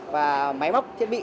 và máy móc thiết bị